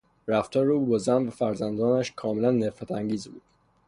رفتار او با زن و فرزندانش کاملا نفرت انگیز بود.